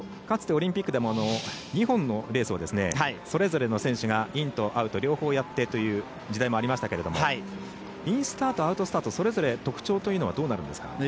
かつてオリンピックでも２本のレースをそれぞれの選手がインとアウト両方やってという時代もありましたけれどもインスタートアウトスタート、それぞれ特徴というのはどうなりますか。